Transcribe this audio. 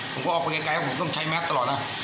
ผมก็ออกไปไกลไกลครับผมต้องใช้แม็กซ์ตลอดนะครับ